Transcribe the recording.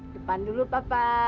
depan dulu papa